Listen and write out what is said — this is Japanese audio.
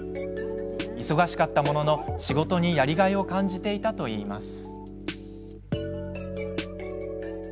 忙しかったものの、仕事にやりがいを感じていたといいます。